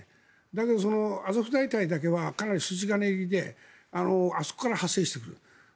だけど、アゾフ大隊だけはかなり筋金入りであそこから派生してくる。